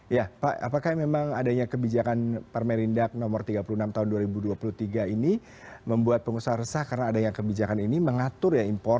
ya pak apakah memang adanya kebijakan permenindak nomor tiga puluh enam tahun dua ribu dua puluh tiga ini membuat pengusaha resah karena adanya kebijakan ini mengatur ya impor